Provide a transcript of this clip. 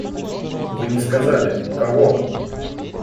Вы не сказали - кого.